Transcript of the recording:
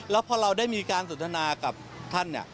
แล้วพอเราได้มีการสนทนากับท่านเนี่ย